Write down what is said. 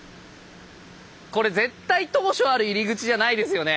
これ絶対当初ある入り口じゃないですよね。